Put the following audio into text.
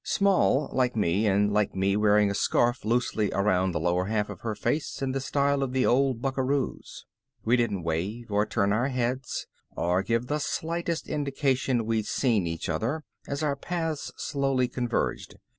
Small like me and like me wearing a scarf loosely around the lower half of her face in the style of the old buckaroos. We didn't wave or turn our heads or give the slightest indication we'd seen each other as our paths slowly converged.